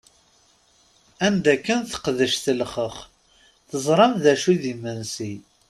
Anda akken teqdec telxex, teẓṛam dacu i d-imensi!